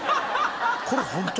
これホント。